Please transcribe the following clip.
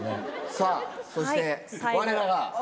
さぁそして我らが。